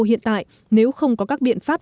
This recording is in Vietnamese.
hiện tại nếu không có các biện pháp